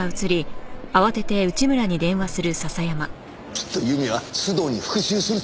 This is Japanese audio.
きっと由美は須藤に復讐するつもりだ！